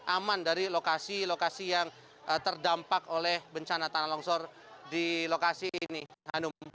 aman dari lokasi lokasi yang terdampak oleh bencana tanah longsor di lokasi ini hanum